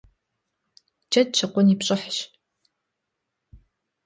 Джэд щыкъун и пщӀыхьщ.